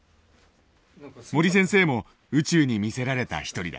森先生も宇宙に魅せられた一人だ。